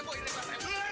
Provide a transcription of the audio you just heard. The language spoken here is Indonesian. bilang saja pelit